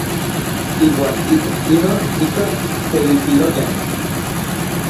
Iuan ik inon nikaj teilpiloyan.